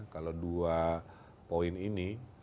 kalau dua poin ini